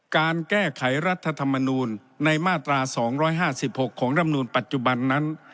การแก้ไขรัฐธรรมนูลในมาตรา๒๕๖ของรำนูลปัจจุบันนั้น